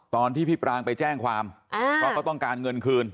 ตอนที่พี่ปรางไปแจ้งความเพราะเขาต้องการเงินคืน